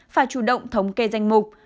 phải chủ động thống kê danh mục